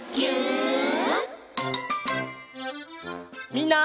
みんな。